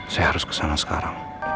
saya harus kesana sekarang